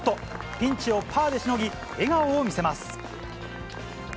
ピンチをパーでしのぎ、笑顔を見せます。